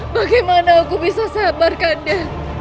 bagaimana aku bisa sabar kanda